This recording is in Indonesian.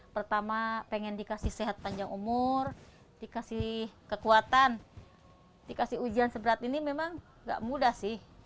pertama pengen dikasih sehat panjang umur dikasih kekuatan dikasih ujian seberat ini memang gak mudah sih